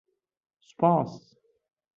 سوپاس!